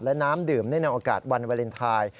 และน้ำดื่มในนังอากาศวันวาเลนไทย